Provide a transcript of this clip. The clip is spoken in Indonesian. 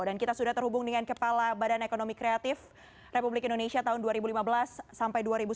dan kita sudah terhubung dengan kepala badan ekonomi kreatif republik indonesia tahun dua ribu lima belas sampai dua ribu sembilan belas